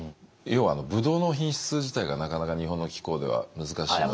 要はあのブドウの品質自体がなかなか日本の気候では難しいので。